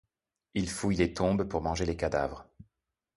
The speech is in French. Ils fouillent les tombes pour manger les cadavres.